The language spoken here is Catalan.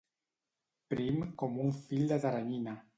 Prim com un fil de teranyina.